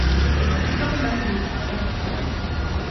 Jag vill ändå göra rätt för mig.